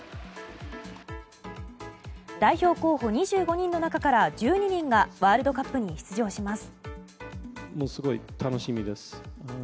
代表候補２５人の中から１２人がワールドカップに出場します。